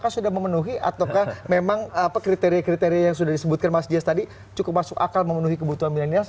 sudah memenuhi ataukah memang kriteria kriteria yang sudah disebutkan mas jaz tadi cukup masuk akal memenuhi kebutuhan milenial